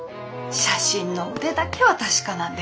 写真の腕だけは確かなんで！